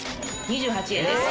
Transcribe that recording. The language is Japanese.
２８円です。